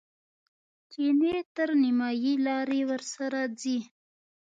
چیني تر نیمایي لارې ورسره ځي.